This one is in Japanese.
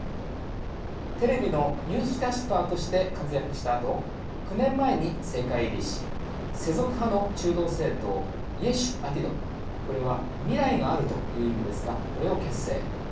テレビのニュースキャスターとして活躍したあと９年前に政界入りし世俗派の中道政党イェシュアティドこれは未来があるという意味ですがこれを結成。